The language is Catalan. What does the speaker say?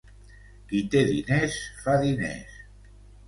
Qui té diners, fa diners.